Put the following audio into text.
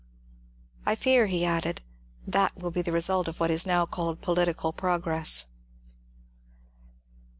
I fear," he added, ^Hhat will be the result of what is now called political progress."